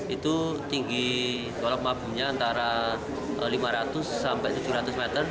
itu tinggi kolom mabunya antara lima ratus sampai tujuh ratus meter